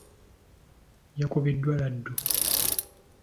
Yakubiddwa laddu.